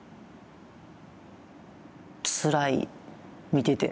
つらい見てて。